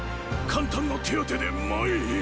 簡単な手当てで前へ。